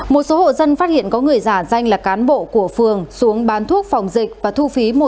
một số hộ dân phát hiện có người giả danh là cán bộ của phường xuống bán thuốc phòng dịch